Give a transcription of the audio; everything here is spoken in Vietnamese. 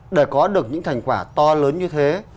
để có được những thành quả to lớn như thế